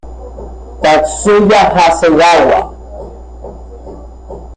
Tatsuya Hasegawa